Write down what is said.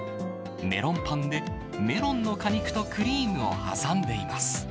メロンパンでメロンの果肉とクリームを挟んでいます。